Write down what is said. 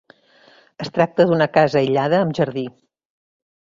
Es tracta d'una casa aïllada amb jardí.